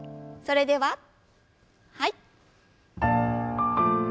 それでははい。